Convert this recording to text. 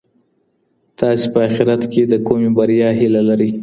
تاسي په اخیرت کي د کومې بریا هیله لرئ؟